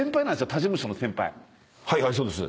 はいはいそうです。